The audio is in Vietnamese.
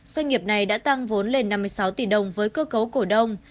doanh nghiệp này đã tăng vốn lên năm mươi sáu tỷ đồng với cơ cấu cổ đông